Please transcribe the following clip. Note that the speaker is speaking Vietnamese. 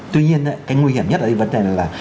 tuy nhiên cái nguy hiểm nhất là